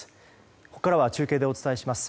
ここからは中継でお伝えします。